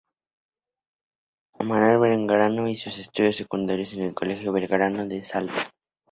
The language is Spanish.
Manuel Belgrano, y sus estudios secundarios en el Colegio Belgrano de Salta.